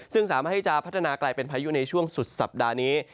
ซึ่งสามารถที่จะพัฒนากลายเป็นพายุในช่วงสุดสัปดาห์นี้